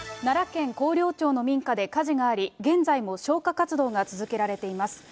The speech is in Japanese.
奈良県広陵町の民家で火事があり、現在も消火活動が続けられています。